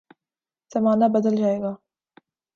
زمانہ بدل جائے گا۔